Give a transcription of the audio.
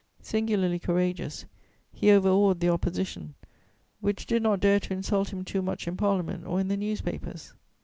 Singularly courageous, he overawed the Opposition, which did not dare to insult him too much in Parliament or in the newspapers.